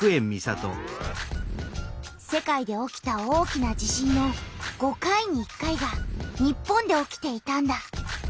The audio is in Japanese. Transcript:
世界で起きた大きな地震の５回に１回が日本で起きていたんだ。